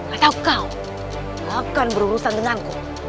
atau kau akan berurusan denganku